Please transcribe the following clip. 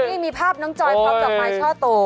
นี่มีภาพน้องจอยพร้อมดอกไม้ช่อโต